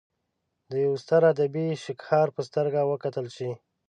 د یوه ستر ادبي شهکار په سترګه وکتل شي.